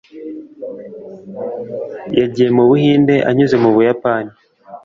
yagiye mu buhinde anyuze mu buyapani